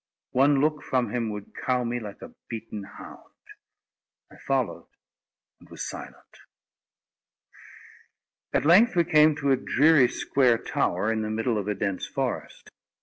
One look from him would cow me like a beaten hound." I followed, and was silent. At length we came to a dreary square tower, in the middle of a dense forest.